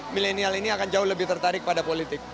milenial ini akan jauh lebih tertarik pada politik